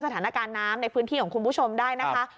สถานการณ์น้ำในพื้นที่ของคุณผู้ชมได้นะคะ